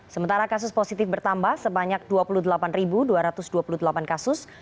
sementara kasus positif bertambah sebanyak dua puluh delapan dua ratus dua puluh delapan kasus